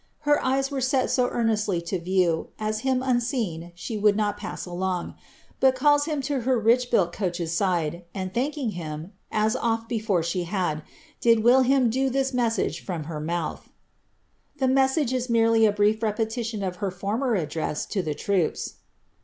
Her eyes were set so earnestly to view, As him unseen she would not pass along ; But calls him to her rich built coach's side, And, thanking him, as oil before she had, Did will him do this message from her mouth.'* The message is merely a brief repetition of her former address to the troops.